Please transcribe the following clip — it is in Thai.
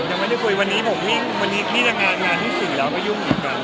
ยังไม่ได้คุยวันนี้ผมวิ่งวันนี้นี่จังงานงานที่สิ่งแล้วก็ยุ่งเหมือนกัน